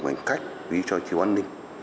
bằng cách phí cho chiều an ninh